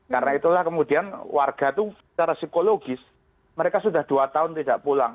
karena itulah kemudian warga itu secara psikologis mereka sudah dua tahun tidak pulang